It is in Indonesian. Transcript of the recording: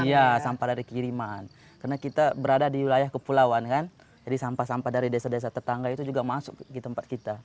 iya sampah dari kiriman karena kita berada di wilayah kepulauan kan jadi sampah sampah dari desa desa tetangga itu juga masuk di tempat kita